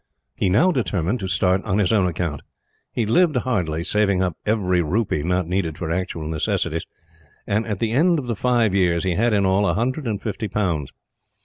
He now determined to start on his own account. He had lived hardly, saving up every rupee not needed for actual necessaries and, at the end of the five years he had, in all, a hundred and fifty pounds.